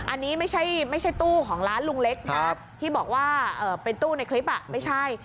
อันนี้ไม่ใช่ตู้ของร้านลุงเล็กนะที่บอกว่าเป็นตู้ในคลิปไม่ใช่